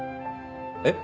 えっ？